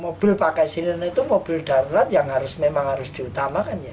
mobil pakai siline itu mobil darurat yang memang harus diutamakan ya